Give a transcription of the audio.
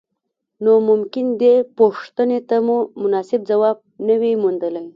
نو ممکن دې پوښتنې ته مو مناسب ځواب نه وي موندلی.